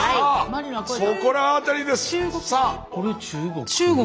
これ中国。